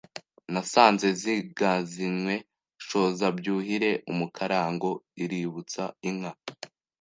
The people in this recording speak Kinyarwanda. Nasanze zingazinywe shoza byuhire umukarago iributsa inka